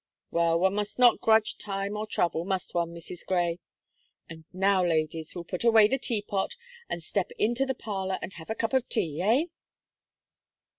"Well, one must not grudge time or trouble, must one, Mrs. Gray? And now, ladies, we'll put away the Teapot, and step into the parlour, and have a cup of tea, eh?"